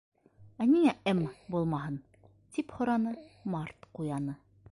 — Ә ниңә М булмаһын? —тип һораны Март Ҡуяны.